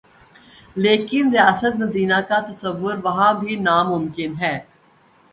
لیکن ریاست مدینہ کا تصور وہاں بھی ناممکن ہے۔